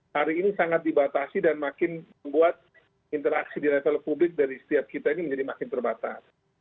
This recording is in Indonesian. hari ini sangat dibatasi dan makin membuat interaksi di level publik dari setiap kita ini menjadi makin terbatas